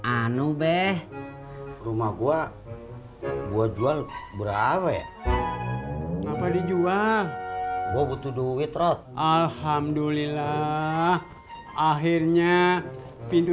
anu beh rumah gua gua jual berapa ya apa dijual gua butuh duit rod alhamdulillah akhirnya pintu